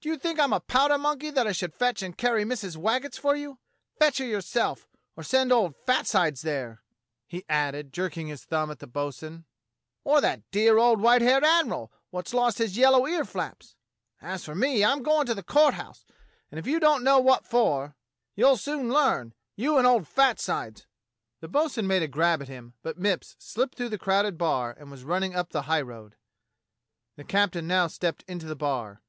"Do you think I'm a powder monkey that I should fetch and carry Missus Waggetts for you? Fetch her yourself, or send old fat sides there," he added, jerking his thumb at the bo'sun, "or that dear old white haired admiral wot's lost his yellow ear flaps. As for me, I'm a goin' to the Court House, and if you don't know what for, you'll soon learn — you and old fat sides." The bo'sun made a grab at him, but Mipps slipped through the crowded bar and was running up the highroad. The captain now stepped into the bar.